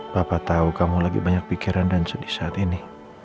bapak tahu kamu lagi banyak pikiran dan sedih saat ini